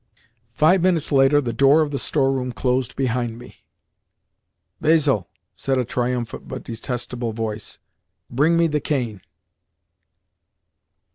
Five minutes later the door of the store room closed behind me. "Basil," said a triumphant but detestable voice, "bring me the cane."